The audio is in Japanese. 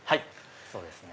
そうですね。